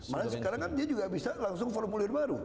malah sekarang kan dia juga bisa langsung formulir baru